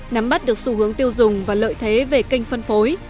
nắm bắt được xu hướng tiêu dùng và lợi thế về kênh phân phối